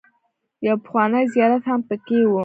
يو پخوانی زيارت هم پکې و.